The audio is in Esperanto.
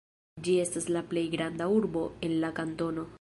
Ĝi estas la plej granda urbo en la kantono.